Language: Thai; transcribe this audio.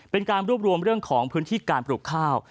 เป็นการรวบรวมเรื่องของพื้นที่การปลูกข้าว